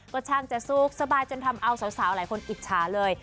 ก็ช่างจะสุขสบายจนทำเอาสาวหลายคนอิจฉาเลย